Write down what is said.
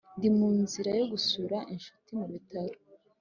ndi munzira yo gusura inshuti mubitaro